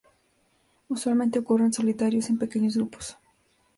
Usualmente ocurren solitarios y en pequeños grupos.